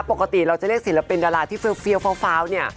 ปกติเราจะเรียกศิลปินดาราที่เฟี้ยวฟ้าวเนี่ย